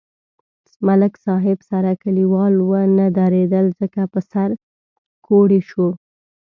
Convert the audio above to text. ملک صاحب سره کلیوال و نه درېدل ځکه په سر کوړئ شو.